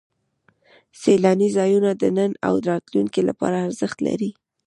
سیلاني ځایونه د نن او راتلونکي لپاره ارزښت لري.